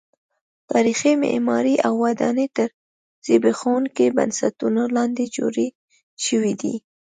تاریخي معمارۍ او ودانۍ تر زبېښونکو بنسټونو لاندې جوړې شوې دي.